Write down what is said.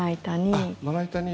まな板に。